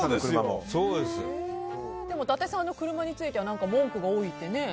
伊達さん、車については文句が多いってね。